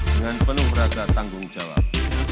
dengan penuh rasa tanggung jawab